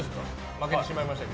負けてしまいましたが。